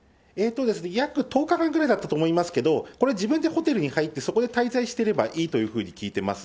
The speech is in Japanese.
約１０日間ぐらいだったと思いますけれども、これ、自分でホテルに入って、そこで滞在してればいいというふうに聞いてます。